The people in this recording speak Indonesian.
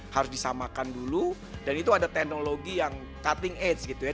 harus disamakan dulu dan itu ada teknologi yang cutting aids gitu ya